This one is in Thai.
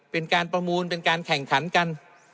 เป็นการประมูลเป็นการแข่งขันกัน